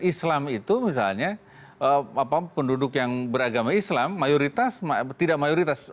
islam itu misalnya penduduk yang beragama islam tidak mayoritas